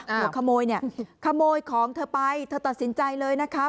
หัวขโมยเนี่ยขโมยของเธอไปเธอตัดสินใจเลยนะครับ